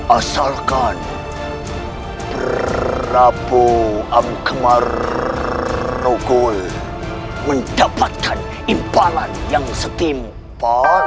asalkan prabu amkemar rukul mendapatkan impangan yang setimpal